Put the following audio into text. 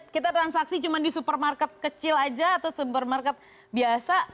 kita transaksi cuma di supermarket kecil aja atau supermarket biasa